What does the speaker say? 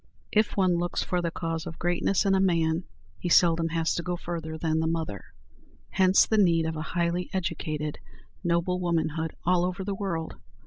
If one looks for the cause of greatness in a man, he seldom has to go further than the mother. Hence the need of a highly educated, noble womanhood all over the world.